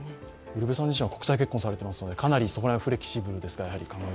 ウルヴェさん自身は、国際結婚されてますのでかなりそこら辺はフレキシブルですか。